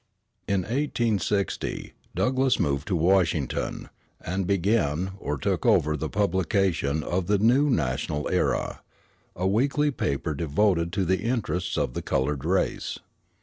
In 1860 Douglass moved to Washington, and began [took over] the publication of the New National Era, a weekly paper devoted to the interests of the colored race.